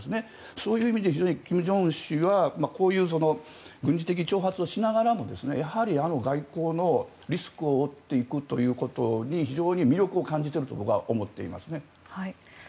そういう意味で金正恩氏はこういう軍事的挑発をしながらもやはりあの外交のリスクを負っていくということに非常に魅力を感じていると僕は思っていますね。